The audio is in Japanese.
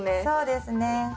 そうですね。